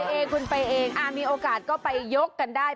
เองคุณไปเองมีโอกาสก็ไปยกกันได้